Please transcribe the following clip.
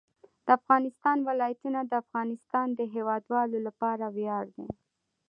د افغانستان ولايتونه د افغانستان د هیوادوالو لپاره ویاړ دی.